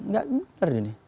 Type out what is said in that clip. nggak benar ini